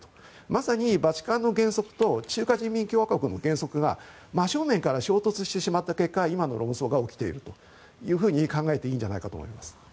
まさにバチカンの原則と中華人民共和国の原則が真正面から衝突してしまった結果今の論争が起きていると考えていいんじゃないかと思います。